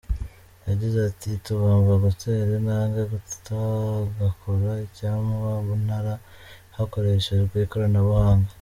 Yagize ati “Tugomba gutera intambwe tugakora icyamunara hakoreshejwe ikoranabuhanga.